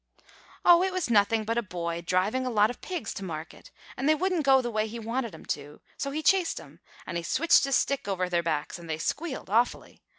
"Oh! it was nothing but a boy driving a lot of pigs to market, and they wouldn't go the way he wanted 'em to; so he chased 'em, and he switched his stick over their backs, and they squealed awfully.